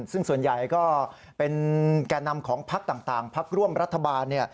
ซึ่งส่วนใหญ่ก็เป็นแก่นำของพักต่างพักร่วมรัฐบาล